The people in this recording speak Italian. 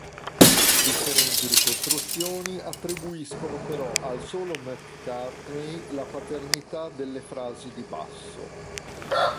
Differenti ricostruzioni attribuiscono però al solo McCartney la paternità delle frasi di basso.